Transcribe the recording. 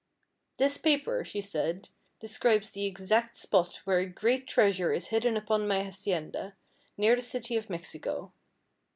"This paper," she said, "describes the exact spot where a great treasure is hidden upon my hacienda, near the City of Mexico.